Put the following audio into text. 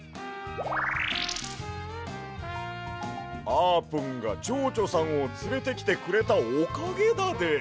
あーぷんがちょうちょさんをつれてきてくれたおかげだで。